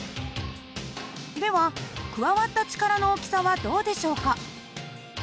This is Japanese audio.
では加わった力の大きさはどうでしょうか？